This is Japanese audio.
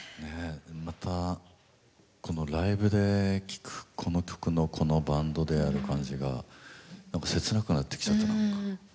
またこのライブで聴くこの曲のこのバンドでやる感じが切なくなってきちゃった何か。